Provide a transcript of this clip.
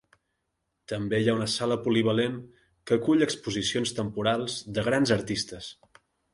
També hi ha una sala polivalent que acull exposicions temporals de grans artistes.